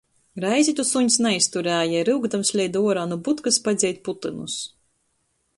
Reizi to suņs naizturēja i ryukdams leida uorā nu butkys padzeit putynus.